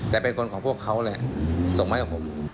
แต่เป็นคนของพวกเขาแหละส่งให้กับผม